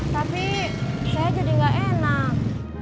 tapi saya jadi nggak enak